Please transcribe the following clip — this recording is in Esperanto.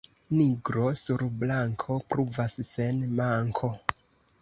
Nigro sur blanko pruvas sen manko.